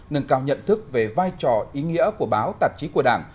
nâng cao nhận thức về vai trò ý nghĩa của báo tạp chí của đảng